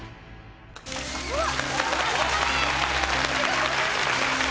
うわっ！